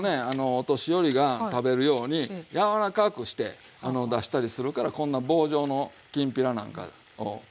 お年寄りが食べるように柔らかくして出したりするからこんな棒状のきんぴらなんかをつくるんですよ。